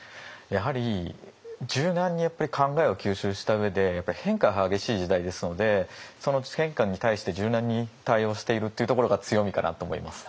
やはり柔軟に考えを吸収した上で変化が激しい時代ですのでその変化に対して柔軟に対応しているっていうところが強みかなと思います。